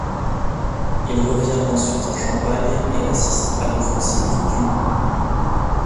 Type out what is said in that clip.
Il revient ensuite en Champagne et assiste à l'offensive du.